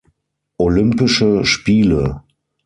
Olympische Spiele